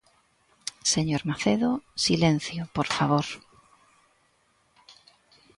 Señor Macedo, silencio, por favor.